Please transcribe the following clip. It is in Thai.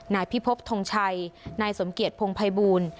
นายพิพบทงชัยนายสมเกียจพงภัยบูล